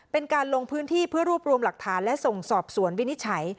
เป็นการลงพื้นที่เพื่อรวบรวมหลักฐานและส่งสอบสวนวินิจฉัย